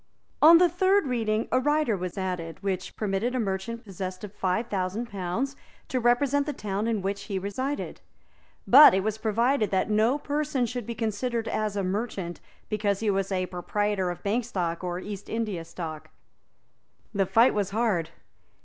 On the third reading a rider was added, which permitted a merchant possessed of five thousand pounds to represent the town in which he resided; but it was provided that no person should be considered as a merchant because he was a proprietor of Bank Stock or East India Stock. The fight was hard.